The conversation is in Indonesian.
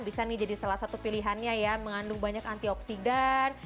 bisa nih jadi salah satu pilihannya ya mengandung banyak antioksidan